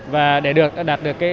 và để đạt được những cảm nhận tốt đẹp